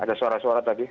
ada suara suara tadi